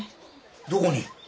どこに？